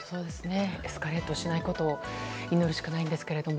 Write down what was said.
エスカレートしないことを祈るしかないんですけど。